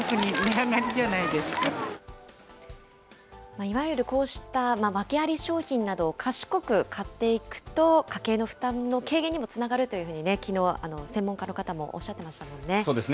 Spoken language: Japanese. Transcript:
いわゆるこうした訳あり商品などを賢く買っていくと、家計の負担の軽減にもつながるというふうに、きのう、専門家の方もおっしゃってましたもんね。